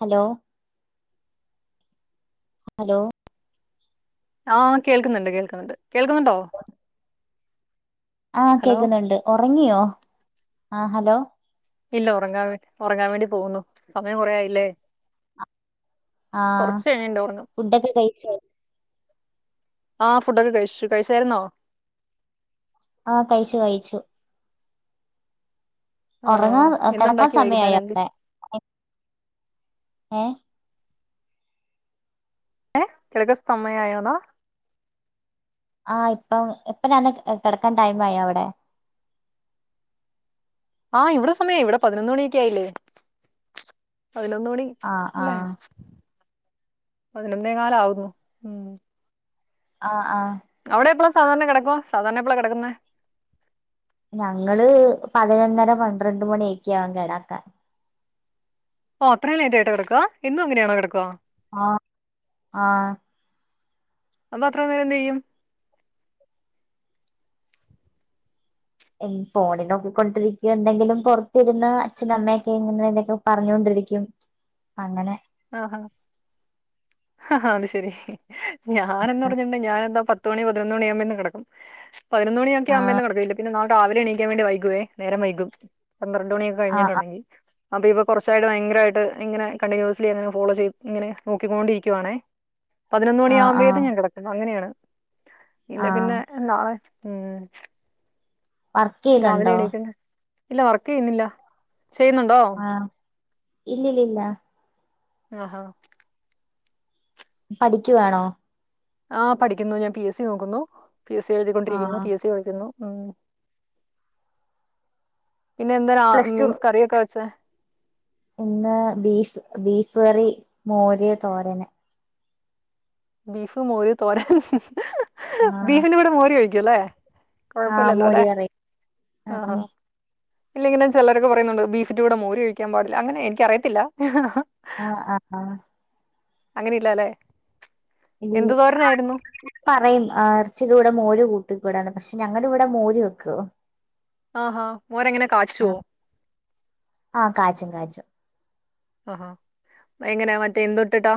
Hello hello ആഹ് കേൾക്കുന്നുണ്ട് കേൾക്കുന്നുണ്ട് കേൾക്കുന്നുണ്ടോ ആഹ് ഹലോ കേൾക്കുന്നുണ്ട് ഒറങ്ങിയോ ആഹ് ഹലോ ഇല്ല ഒറങ്ങാൻ ഉറങ്ങാൻ വേണ്ടി പോകുന്നു സമയം കൊറേയായില്ലേ ആഹ് കൊറച്ച് കഴിയും ണ്ടോർന്നു ഫുഡൊക്കെ കഴിച്ചോ ആഹ് ഫുഡൊക്കെ കഴിച്ചു കഴിച്ചായിരുന്നോ ആഹ് കഴിച്ചു കഴിച്ചു ഒറങ്ങാ ആഹ് കെടക്കാൻ എന്തുണ്ടാക്കി സമയമായി വൈകുന്നേരം എന്ത് അവിടെ ഏഹ് ഏഹ് കെടക്കസ്തമയയോന്നാ ആഹ് ഇപ്പം എപ്പയന്നകെടക്കാൻടൈം മായോ അവിടെ ആഹ് ഇവിടെ സമയ് ഇവിടെ പതിനൊന്ന്മണിയൊക്കെയല്ലേ പതിനൊന്ന്മണി ആഹ് അല്ലെ ആഹ് പതിനൊന്നേകാല് ആകുന്നു ഉം ആഹ് ആഹ് അവിടെ എപ്പള സാധാരണ കടക്ക സാധാരണ എപ്പോള കടക്കുന്നേ ഞങ്ങള് പതിനൊന്നര പന്ത്രണ്ട് മണിയൊക്കെയാവും കെടാക്കാൻ ഓ അത്ര ലേറ്റ് ആയിട്ടാ കടക്കുക എന്നും അങ്ങനെയാണോ കടക്കാ ആഹ് ആഹ് എന്നാ അത്ര നേരന്ത് ചെയ്യും ഫോണിൽ നോക്കിക്കൊണ്ടിരിക്കും എന്തെങ്കിലും പുറത്തിരുന്ന് അച്ഛനും അമ്മയൊക്കെ ഇങ്ങനെ എന്തൊക്കെ പറഞ്ഞോണ്ടിരിക്കും അങ്ങനെ ആഹാ അത് ശരി ഞാനന്ന് പറഞ്ഞിട്ടുണ്ടെ ഞാൻ എന്താ പത്തുമണി പതിനൊന്ന് മണി ആവുമ്പോ തന്നെ കിടക്കും പതിനൊന്ന് മണിയക്കെ ആഹ് ആവുമ്പോ കെടക്കില്ല, പിന്നെ നാളെ രാവിലെ എണീക്കാൻ വേണ്ടി വൈകുവേ നേരം വൈകും, പന്ത്രണ്ട് മണി ആഹ് കഴിഞ്ഞിട്ടുണ്ടെങ്കിൽ അപ്പോ ഇപ്പോ കുറച്ചായിട്ട് ഭയങ്കരമായിട്ട് ഇങ്ങനെ കണ്ടിന്യൂസ്ലി അങ്ങനെ ഫോളോ ചെയ്ത് ഇങ്ങനെ നോക്കിക്കോണ്ടിരിക്കുവാണേ. പതിനൊന്ന് ആഹ് ആഹ് മണിയാകുമ്പോഴക്കും ഞാൻ കിടക്കും അങ്ങനെയാണ്, ഇല്ലെ ആഹ് പിന്നെ നാളെ ഉം. വർക്ക് രാവിലെ ചെയ്യുന്നുണ്ടോ എണീക്കണ്ട്, ഇല്ല വർക്ക് ചെയ്യുന്നില്ല, ചെയ്യുന്നുണ്ടോ? ആ ഇല്ലല്ലില്ല. അഹം. പഠിക്കുവാണോ. ആഹ് പഠിക്കുന്നു ഞാൻ പി എസ് സി നോക്കുന്നു, പി എസ് സി എഴുതിക്കൊണ്ടിരിക്കുന്നു, ആഹ് പി എസ് സി എഴുതുന്നു. ഉം പിന്നെ എന്താണ് പ്ലസ് ടു മീൻസ് കറിയൊക്കെ വെച്ച. ഇന്ന് ബീഫ് ബീഫ് കറി മോര് തോരന്. ബീഫ്, മോര്, തോരൻ ആഹ് ബീഫിന്റെ കൂടെ മോര് കഴിക്കും അല്ലേ. ആഹ് കൊഴപ്പല്ലല്ലേ മോര് അല്ലേ കറി ഉം ആഹ്. ഉം ഇല്ല ങ്ങനെ ചിലരക്കെ പറയുന്നുണ്ട് ബീഫിന്റെ കൂടെ മോര് കഴിക്കാൻ പാടില്ല അങ്ങനെ എനിക്കറിയത്തില്ല. ആഹ് ആഹ് ആഹ്. അങ്ങനെയില്ല അല്ലെ ഇല്ല എന്ത് തോരനായിരുന്നു. പറയും ഇറച്ചിടെ കൂടെ മോര് കൂട്ടികൂടാന്ന് പക്ഷേ ഞങ്ങള്‌ ഇവടെ ഇവിടെ മോര് വെക്കും. ആ ഹാ മോരങ്ങനെ കാച്ചുവോ. ആ കാച്ചും കാച്ചും. ആഹ് എങ്ങന മറ്റേ എന്ത് ഇടിട്ടാ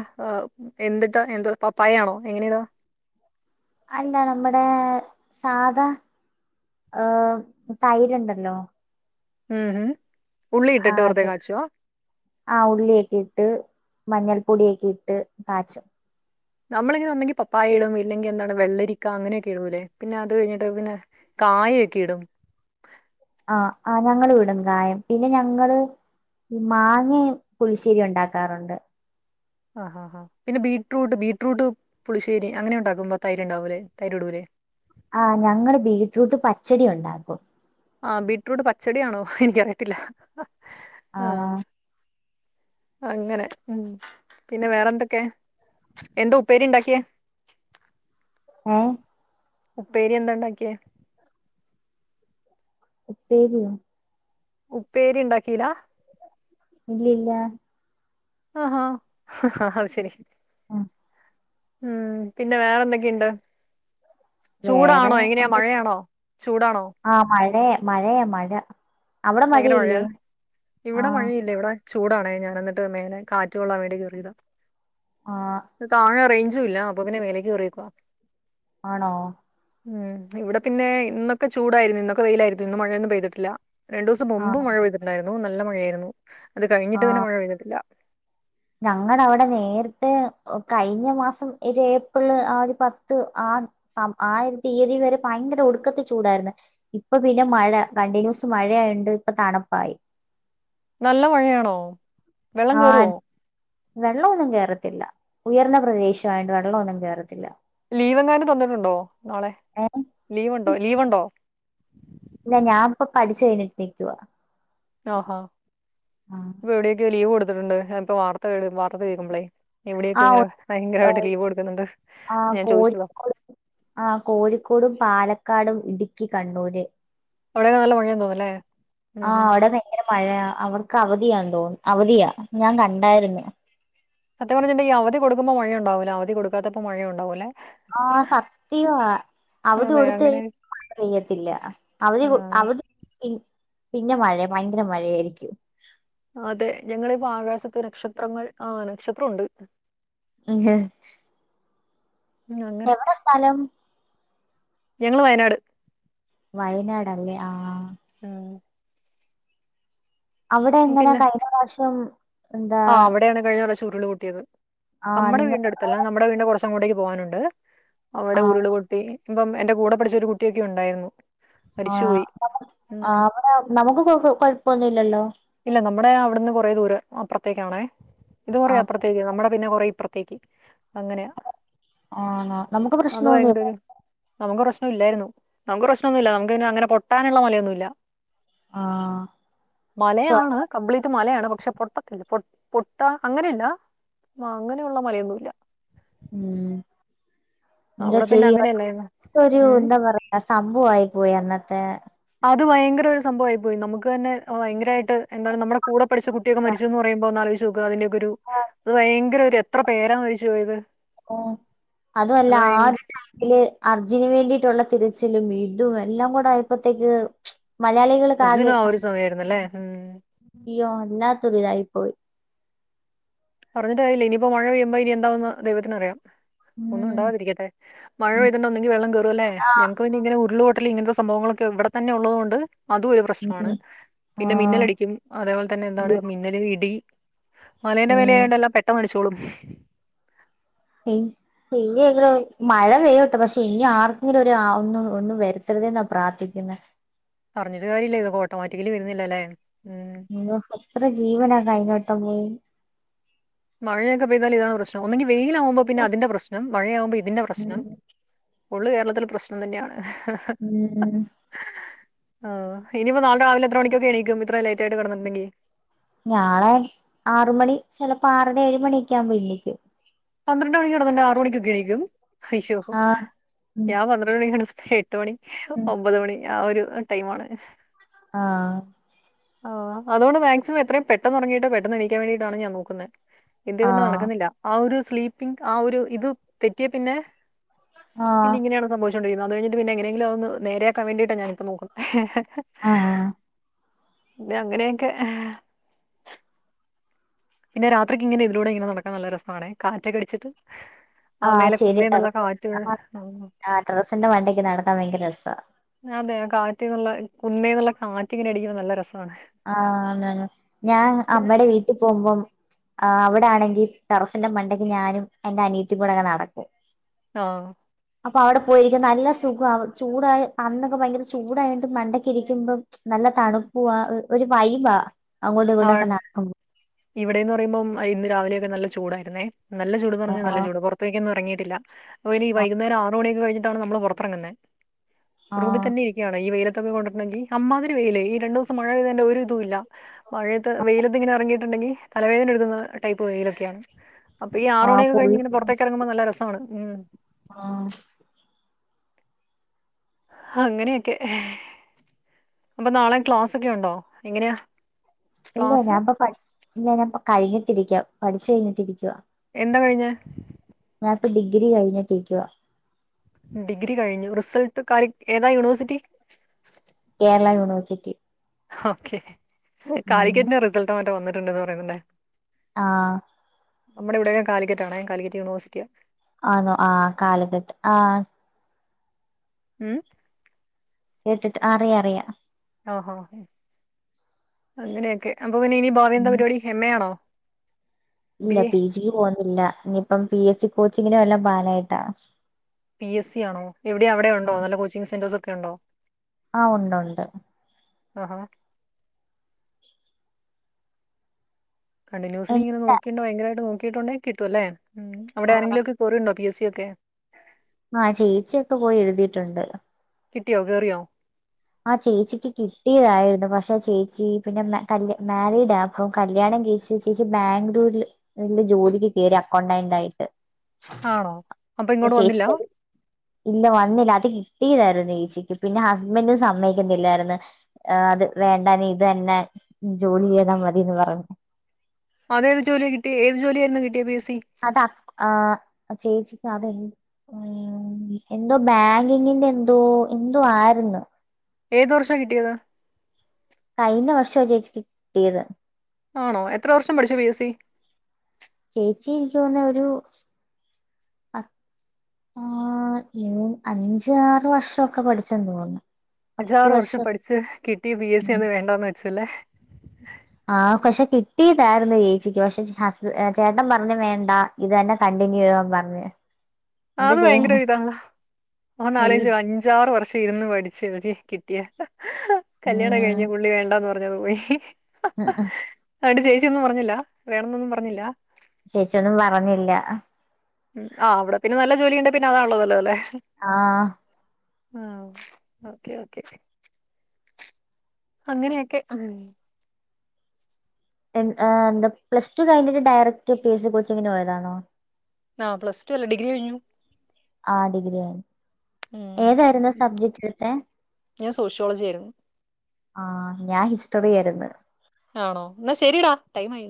എന്തിട്ടാ എന്തോ പപ്പായ ആണോ എങ്ങനെ ഇടാ. അല്ല നമ്മുടെ സാധാ ആഹ് തൈരുണ്ടല്ലോ. ആഹ്. ആ അത്. ആ ഉള്ളിയൊക്കെ ഇട്ട് മഞ്ഞൾപ്പൊടിയൊക്കെ ഇട്ട് കാച്ചും. നമ്മളിനി ഒന്നെങ്കിൽ പപ്പായ ഇടും ഇല്ലെങ്കിൽ എന്താണ് വെള്ളരിക്ക അങ്ങനെയൊക്കെ ഇടുലേ, പിന്നെ അത് കഴിഞ്ഞിട്ട് പിന്നെ കായക്കെ ഇടും. ആഹ് ആഹ് ഞങ്ങളും ഇടും കായം പിന്നെ ഞങ്ങള് ഈ മാങ്ങയും പുളിശ്ശേരി ഉണ്ടാക്കാറുണ്ട്. ആഹ് ആഹ് പിന്നെ ബീട്ട്റൂട്ട് ബീട്ട്റൂട്ട് പുളിശ്ശേരി അങ്ങനെ ഉണ്ടാക്കുമ്പോ തൈര് ഉണ്ടാവൂലേ തൈര് ഇടൂലേ. ആ ഞങ്ങള് ബീറ്റ്റൂട്ട് പച്ചടി ഉണ്ടാക്കും. ആ ബീറ്റ്റൂട്ട് പച്ചടിയാണോ എനിക്കറിയത്തില്ല ആ ആഹ്. അങ്ങനെ ഉം പിന്നെ വേറെന്തൊക്കെ എന്തോ ഉപ്പേരിണ്ടാക്കിയേ. ഏഹ്. ഉപ്പേരി എന്താ ഉണ്ടാക്കിയേ? ഉപ്പേരിയോ. ഉപ്പേരി ഉണ്ടാക്കീല. ഇല്ല ഇല്ല. ആഹഹ് അത് ശരി ശ ആഹ ഉം പിന്നെ വേറെ എന്തൊക്കെയുണ്ടോ വേറെ ചൂടാണോ എങ്ങനെയാ മഴയാണോ ചൂടാണോ ആഹ മഴയെ മഴയെ മഴ അവിടെ ഭയങ്കര മഴയാ മഴയില്ലേ ആ ഇവിടെ മഴയില്ല ഇവിടെ ചൂടാണെ ഞാന് എന്നിട്ട് മേലെ കാറ്റ് കൊള്ളാൻ വേണ്ടി കേറിയതാ ആ താഴെ റേഞ്ചും ഇല്ല അപ്പൊ പിന്നെ മേലേയ്ക്ക് കേറിയേക്കുവാ ആണോ ഉം ഇവിടെ പിന്നെ ഇന്നൊക്കെ ചൂടായിര്ന്നു ഇന്നൊക്കെ വെയിലായിരുന്നു ഇന്ന് മഴയൊന്നും പെയ്തിട്ടില്ല രണ്ടു ദിവസം ആ മുമ്പ് മഴ പെയ്തിട്ട്ണ്ടായിരുന്നു നല്ല മഴയായിരുന്നു അത് ആ കഴിഞ്ഞിട്ട് പിന്നെ മഴ പെയ്തിട്ടില്ല ഞങ്ങടെ അവടെ നേരത്തെ ഓ കഴിഞ്ഞ മാസം ഒരു ഏപ്രില് ആ ഒരു പത്ത് ആ ആ ഒരു തിയതി വരെ ഭയങ്കര ഒടുക്കത്തെ ചൂടായിര്ന്ന് ഇപ്പ പിന്നെ മഴ കണ്ടിന്യൂസ് മഴയായോണ്ട് ഇപ്പ തണപ്പായി നല്ല മഴയാണോ വെള്ളം ആഹ് കേറുവോ വെള്ളവൊന്നും കേറത്തില്ല ഉയർന്ന പ്രദേശമായോണ്ട് വെള്ളമൊന്നും കേറത്തില്ല ലീവങ്ങാനും തന്നിട്ടുണ്ടോ നാളെ ഏ ലീവ് ഉണ്ടോ ലീവ് ഉണ്ടോ ഇല്ല ഞാ ഇപ്പ പഠിച്ചു കഴിഞ്ഞിട്ട് നിക്കുവാ ആഹാ ആ ഇപ്പൊ എവിടെയൊക്കെയോ ലീവ് കൊടുത്തിട്ടുണ്ട് ഞാൻ ഇപ്പ വാർത്ത വാർത്ത കേൾക്കുമ്പളേ ആ എവിടെയൊക്കെ ഒ- ഇങ്ങനെ ഭയങ്കരമായിട്ട് ലീവ് കൊടുക്കുന്നുണ്ട് ആ, ഞാൻ കോഴി ചോദിച്ചതാ ആ കോഴിക്കോടും പാലക്കാടും ഇടുക്കി കണ്ണൂര് അവിടെയും നല്ല മഴയാ തോന്നുംല്ലേ ആഹ് അവിടെ ഭയങ്കര മഴയാ അവർക്ക് അവധിയാ തോന്നു അവധിയാ ഞാൻ കണ്ടായിരുന്നു സത്യം പറഞ്ഞിട്ടെണ്ടെങ്കി ഈ അവധി കൊടുക്കുമ്പോ മഴയുണ്ടാവൂല്ല അവധി കൊടുക്കാത്തപ്പോ മഴയണ്ടാവും ല്ലേ ആഹ് സത്യവാ അവധി അതെ കൊടുത്ത് അങ്ങനെ ക മഴ പെയ്യത്തില്ല അവധി കൊ ആ അവധി പി പിന്നെ മഴയാ ഭയങ്കര മഴയായിരിക്കും അതെ ഞങ്ങളിപ്പോ ആകാശത്ത് നക്ഷത്രങ്ങൾ ആ നക്ഷത്രം ഉണ്ട് ഉഹും ഉം അങ്ങനെ എവടെ സ്ഥലം ഞങ്ങള് വയനാട് വയനാട് അല്ലേ ആ ആഹ് അവടെ എങ്ങനാ കഴിഞ്ഞ പ്രാവശ്യം എന്താ ആഹ് അവിടെയാണ് കഴിഞ്ഞ പ്രാവശ്യം ഉരുള് പൊട്ടിയത് ആഹ് നമ്മടെ നിങ്ങ വീടിന്റെ അടുത്ത ല്ല നമ്മടെ വീടിന്റെ കൊറച്ചങ്ങോട്ടേക്ക് പോവാനുണ്ട് അവിടെ ആഹ് ഉരുള്പൊട്ടി ഇമ്പം എന്റെ കൂടെ പഠിച്ച ഒരു കുട്ടിയൊക്കെ ഉണ്ടായിരുന്നു ആ മരിച്ചുപോയി [unintelligible] ആ ഉം അവടെ നമുക്ക് കൊഴ കൊഴപ്പൊന്നുല്ലല്ലോ ഇല്ല നമ്മടെ അവിട്ന്ന് കൊറേ ദൂര അപ്പ്റത്തേക്കാണേ ഇത് കുറേ ആഹ് അപ്പ്റത്തേക്ക് നമ്മടെ പിന്നെ കൊറേ ഇപ്പറ ത്തേക്ക് അങ്ങനെയാ ആണോ നമുക്ക് അന്ന് ഭയങ്കര പ്രശ്നൊന്നുല്ല ഒരു നമക്ക് പ്രശ്നം ഇല്ലായിരുന്നു നമക്ക് പ്രശ്നൊന്നും ഇല്ല നമക്ക് പിന്നെ അങ്ങനെ പൊട്ടാനുള്ള മലയൊന്നും ഇല്ല ആഹ് ശോ മലയാണ് കംപ്ലീറ്റ് മലയാണ് പക്ഷെ പൊട്ടത്തില്ല പൊ പൊട്ടാൻ അങ്ങനെയല്ല അങ്ങനെയുള്ള മലയൊന്നും ഇല്ല ഉം എന്താ അവിടെ പിന്നെ ചെയ്യ അങ്ങനെയല്ലായിരുന്നു ഒരു ഉം എന്താ പറയ സംഭവായി പോയി അന്നത്തെ അത് ഭയങ്കര ഒരു സംഭവായി പോയി നമക്ക് തന്നെ ഭയങ്കരമായിട്ട് എന്താണ് നമ്മടെ കൂടെ പഠിച്ച കുട്ടിയൊക്കെ മരിച്ചൂന്ന് പറയുമ്പോ ഒന്നാലോയിച്ച് നോക്ക് അതിന്റെയൊക്കെ ഒരു അത് ഭയങ്കര ഒരു എത്ര പേരാ മരിച്ചു പോയത് അത് ഭയങ്ക ഇതില് അർജുന് വേണ്ടീട്ടുള്ള തിരച്ചിലും ഇതും എല്ലാം കൂടെ ആയപ്പോത്തേക്ക് മലയാളികൾക്കാകെ അർജുനും ആ ഒരു സമയമായിരുന്നു അല്ലേ ഉം അയ്യോ വല്ലാത്തൊരിതായിപ്പോയി പറഞ്ഞിട്ട് കാര്യമില്ല ഇനിപ്പോ മഴ പെയ്യുമ്പോ ഇനി എന്താവെന്ന് ദൈവത്തിന് അറിയാം ഒന്നും ഉം ഉണ്ടാതിരിക്കട്ടെ മഴ പെയ്തിണ്ടെങ്കി ഒന്നുല്ലെങ്കി ഇങ്ങനെ വെള്ളം കേയറും അല്ലേ ആഹ് ഞങ്ങക്ക് പിന്നെ ഇങ്ങനെ ഉരുള് പൊ ഇപ്പളല്ലെ ഇങ്ങനത്തെ സംഭവങ്ങളൊക്കെ ഇവിടെത്തന്ന ഉള്ളതുകൊണ്ട് അത് ഒരു പ്രശ്നമാണ് ഉം പിന്നെ ആഹ് മിന്നലടിക്കും അതേപോലെ തന്നെ എന്താണ് മിന്നല് ഇടി മലേന്റെ മേലെ ഉം എല്ലാ പെട്ടെന്ന് അടിച്ചോളും എയ് പിന്നെങ്ങനെ മഴ പെയ്യട്ടെ പക്ഷെ ഇനി ആർക്കെങ്കിലും ഒരു ഒന്നും ഒന്നും വരുത്തരുതെന്നാ പ്രാർത്ഥിക്കുന്നെ പറഞ്ഞിട്ട് കാര്യമില്ല ഇതൊക്കെ ഓട്ടോമാറ്റിക്കലി വരുന്നെല്ലേ ഉം അയ്യോ എത്ര ജീവനാ കഴിഞ്ഞട്ടം പോയി മഴയൊക്കെ പെയ്താൽ ഇതാണ് പ്രശ്നം ഒന്നെങ്കിൽ വെയിലാവുമ്പോൾ പിന്നെതിന്റെ പ്രശ്നം മഴയാകുമ്പോൾ ഇതിന്റെ പ്രശ്നം ഫുള്ള് കേരളത്തില് പ്രശ്നം തന്നെയാണ് ഉം ഉം ആ ഇനിയിപ്പോ നാളെ രാവിലെ എത്ര മണിക്കൊക്കെ എണീക്കും ഇത്രയും ലേറ്റ് ആയിട്ട് കെടന്നിട്ടുണ്ടെങ്കിൽ നാളെ ആറ് മണി ചെലപ്പോ ആറര ഏഴ് മണിയൊക്കെ ആവുമ്പോ എണീക്കും പന്ത്രണ്ട് മണിക്ക് കെടന്ന്ണ്ടെങ്കിൽ ആറ്മണിക്കൊക്കെ എണിക്കും അയ്യോ ആഹ് ഉം ഞാൻ പ എണീക്കണ എട്ട് മണി ഉം ഒമ്പത് മണി ആ ഒരു ടൈമാണ് ആഹ് ആ അതുകൊണ്ട് മാക്സിമം എത്രയും പെട്ടെന്നെറങ്ങിട്ട് പെട്ടന്ന് എണീക്കാൻ വേണ്ടീട്ടാണ് ഞാൻ നോക്കുന്നെ എന്ത് ചെയ്യന്ന ആഹ് നടക്കുന്നില്ല ആ ഒരു സ്ലീപ്പിങ് ആ ഒരു ഇത് തെറ്റിയെ പിന്നെ ആഹ് പിന്നെങ്ങനെയാണ് സംഭവിച്ചുകൊണ്ടിരിക്കുന്നത് അത് കഴിഞ്ഞിട്ട് പിന്നെ എങ്ങനെങ്കിലും അതൊന്ന് നേരെയാക്കാൻ വേണ്ടിയിട്ടാഞാനിപ്പോ നോക്കുന്നെ ആഹ് ഇങ്ങ അങ്ങനെയൊക്കെ പിന്നെ രാത്രിക്ക് ഇങ്ങനെ ഇതിലൂടെ ഇങ്ങനെ നടക്കാൻ നല്ല രസമാണെ കാറ്റൊക്കെടിച്ചിട്ട് ആ ആഹ് മേലെ കുന്നേന്നുള്ള കാറ്റ് ആ ടെറസിന്റെ മണ്ടക്ക് നടക്കാൻ ഭയങ്കര രസമാ അതെ കാറ്റിൽന്നുള്ള കുന്നേന്നുള്ള കാറ്റിങ്ങനെ അടിക്കുമ്പോ നല്ല രസവാണ് അന്നന്ന് ഞാൻ അമ്മടെ വീട്ടിൽ പോവുമ്പം ആ അവിടണെങ്കിൽ ടെറസിന്റെ മണ്ടക്ക് ഞാനും എന്റെ അനിയത്തി കൂടെങ്ങട്ട് നടക്കും ആഹ് അപ്പൊ അവിടെ പോയിരിക്കും നല്ല സുഖവാ ചൂടായി അന്നൊക്കെ ഭയങ്കര ചൂടായിട്ട് മണ്ടക്കിരിക്കുമ്പം നല്ല തണുപ്പുവാ ഒരു വൈബാ ആ അങ്ങോട്ടിങ്ങോട്ടൊക്കെ നടക്കുമ്പോ ഇവിടെന്ന് പറയുമ്പോം ഇന്ന് രാവിലെയൊക്കെ നല്ല ചൂടായിരുന്നേ നല്ല ചൂട്ന്ന് പറഞ്ഞാൽ നല്ല ആഹ് ചൂടാ പുറത്തേക്കൊന്നും ഇറങ്ങിയിട്ടില്ല അപ്പോ ഇനി. ഈ വൈകുന്നേരം ആറ്മണിയൊക്കെ കഴിഞ്ഞിട്ടാണ് നമ്മള് പുറത്തെറങ്ങുന്നെ ആഹ് റൂമിത്തന്നെ ഇരി ക്കാണോ ഈ വെയിലത്തൊക്കെ കൊണ്ടെരെനെങ്കിൽ അന്മാതിരി വെയില് ഈ രണ്ട് ദിവസം മഴ പെയ്തേന്റെ ഒരു ഇതുംഇല്ല മഴയത്ത് വെയിലെത്തിങ്ങെനെറങ്ങിയിട്ട് ണ്ടെങ്കിൽ തലവേദന എടുക്കുന്ന ടൈപ്പ് വെയിലൊക്കെയാണ് അപ്പൊ ഈ ആറു ആഹ് പുള്ളി മണിയൊക്കെക്കഴിഞ്ഞിങ്ങനെ പുറത്തേക്ക് ക്കിറങ്ങുമ്പോ നല്ല രസമാണ് ഉം ആഹ് അങ്ങനെയൊക്കെ ഏ അപ്പൊ നാളെ ക്ലാസ്സൊക്കെ ഉണ്ടോ എങ്ങനെയാ? ഇല്ല ക്ലാസ് ഞാൻപ്പം ഇല്ല ഞാൻ കഴിഞ്ഞിട്ടിരിക്കുവാ പഠിച്ചു കഴിഞ്ഞിട്ടിരിക്കുവാ എന്താ കഴിഞ്ഞേ? ഞാനിപ്പം ഡിഗ്രി കഴിഞ്ഞിട്ടിരിക്കുവാ ഡിഗ്രി കഴിഞ്ഞു റിസൾട്ട് കാര്യം ഏതാ യൂണിവേഴ്സിറ്റി? കേരളായൂണിവേഴ്സിറ്റി ഓക്കെ കാലിക്കറ്റിന്റെ റിസൾട്ടോ മറ്റോ വന്നിട്ടുണ്ടെന്ന് പറയുന്നുണ്ടേ ആഹ് നമ്മടെ ഇവടെ കാലിക്കറ്റാണെ കാലിക്കറ്റ് യൂണിവേഴ്സിറ്റിയാ ആണോ ആഹ് കാലഘട്ട് ആഹ് ഉം കേട്ടിട്ട് അറിയ അറിയ ഓഹോ അങ്ങനെയൊക്കെ അപ്പെ പിന്നെ ഇനി ഭാവയെന്താ ഉം പരിപാടി എംഎ യാണോ ഇല്ല പി ജി പോകുന്നില്ല ഇനിയിപ്പം പി എസ് സി കോച്ചിങ്ങിനും വല്ലം പാനായിട്ടാ പി എസ് സി ആണോ എവിടെ അവിടെ ഉണ്ടോ നല്ല കോച്ചിങ് സെന്റേർസ് ഒക്കെ ഒണ്ടോ ആഹ് ഒണ്ട് ഒണ്ട് ഒഹോ കണ്ടിന്യൂസിലിങ്ങനെ ഇല്ല. നോക്കിണ്ടെ ഭയങ്കര നോക്കിട്ടുണ്ടങ്ക കിട്ടു അല്ലേ ഉം അവിടെ ആരെങ്കിലും ഒക്കെ കേറിയിട്ടുണ്ടോ പി എസ് സി ക്കെ ആഹ് ചേച്ചിയൊക്കെ പോയി എഴുതീയിട്ടുണ്ട് കിട്ടിയോ കേറിയോ ആ ചേച്ചിക്ക് കിട്ടിയതായിരുന്നു പക്ഷെ ചേച്ചി പിന്നെ മാരീഡാ അപ്പം കല്യാണം കഴിച്ച ചേച്ചിക്ക് ബാംഗ്ലൂരിൽ വലിയ ജോലികിട്ടിയതാ അക്കൗണ്ടന്റായിട്ട് ആഹ് അപ്പെ ഇങ്ങോട്ട് വന്നില്ല ഇല്ല വന്നില്ല അത് കിട്ടിയതായിരുന്നു ചേച്ചിക്ക് പിന്നെ ഹസ്ബന്റ് സമ്മതികത്തില്ലായിരന്ന് അത് വേണ്ടന്ന് ഇത് തന്നെ ജോലി ചെയ്താ മതിന്ന് പറഞ്ഞ് അത് ഏത് ജോലി കിട്ടിയെ ഏത് ജോലിയായിരുന്നു കിട്ടിയെ പി എസ് സി അത് അപ് ആഹ് ചേച്ചിക്ക് അതെ എന്തോ ബാങ്കിങ്ങിന്റെ എന്തോ എന്തോ ആര്ന്നു ഏത് വർഷ കിട്ടിയത് കഴിഞ്ഞ വർഷവാ ചേച്ചിക്ക് കിട്ടിയത് ആണോ എത്ര വർഷം പഠിച്ചു പി എസ് സി ചേച്ചി എനിക്ക് തോന്നുന്ന ഒരു ആഹ് ആഹ് ഏഴ് അയിഞ്ച് ആറ് വർഷക്കെ പഠിച്ചെന്ന് തോന്നുന്നു അഞ്ചാറ് വർഷം പഠിച്ച കിട്ടിയ പി എസ് സി ഉം. അന്ന് വേണ്ടാന്ന് വെച്ച് അല്ലേ ആഹ് പക്ഷെ കിട്ടിയതായിരന്നു ഏച്ചിക്ക് പക്ഷെ ഹസ് ചേട്ടൻ പറഞ്ഞു വേണ്ടാ ഇത് തന്നെ കണ്ടിന്യൂ ചെയ്യാൻ പറഞ്ഞ് അത് ഭയങ്കര ഇതാണല്ല ഓ വലി നാലഞ്ച പഅഞ്ചാറ് വർഷം ഇരുന്ന് പഠി ശരി കിട്ടിയാ കല്യാണം ഉം കഴിഞ്ഞ് പുള്ളി വേണ്ടാന്ന് പറഞ്ഞെങ്ങ് പോയി ഉം ഉം അയിട്ട് ചേച്ചിയൊന്നും പറഞ്ഞില്ല വേണെന്നൊന്നും പറഞ്ഞില്ല ചേച്ചിയൊന്നും പറഞ്ഞില്ല ഉം ആഹ് അവിടെ പിന്നെ നല്ല ജോലിയുണ്ട് പിന്നെ അതാണല്ലോ നല്ലത് അല്ലെ ആഹ് ആഹ് ഓക്കെ ഓക്കെ അങ്ങനെയൊക്കെ ആഹ് എൻ ഏ എന്താ പ്ലസ് ടു കഴിഞ്ഞിട്ട് ഡയറക്ട്റ്റ് പി എസ് സി കോച്ചിങ്ങിന് പോയതാണോ ആഹ് പ്ലസ് ടു അല്ല ഡിഗ്രി കഴിഞ്ഞു ആഹ് ഡിഗ്രി ആയി ഉം ഏതായിരുന്നു സബ്ജെക്ട് ഏഹ് ഞാൻ സോഷ്യോളജി ആയിരുന്നു ആഹ് ഞാൻ ഹിസ്റ്ററി ആയിരുന്ന് ആണോ ന്നാ ശെരിടാ ടൈം ആയി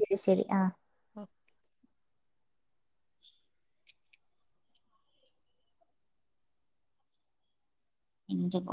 ശരി ശരി ആഹ് ഓ [unintelligible]